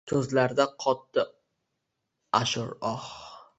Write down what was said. Ko’zlarida qotdi ash’or-oh!